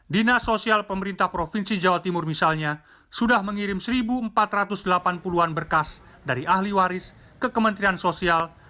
dina sosial pemerintah provinsi jawa timur misalnya sudah mengirim satu empat ratus delapan puluh an berkas dari ahli waris ke kementerian sosial